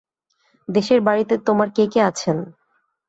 দেশের বাড়িতে তোমার কে কে আছেন?